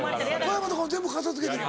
小山とかも全部片付けて？